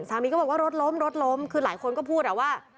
ก็บอกว่ารถล้มรถล้มคือหลายคนก็พูดอ่ะว่า